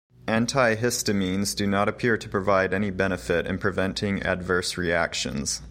Antihistamines do not appear to provide any benefit in preventing adverse reactions.